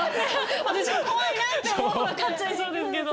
私も怖いなって思うのが勝っちゃいそうですけど。